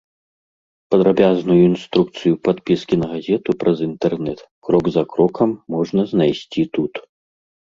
Падрабязную інструкцыю падпіскі на газету праз інтэрнэт крок за крокам можна знайсці тут.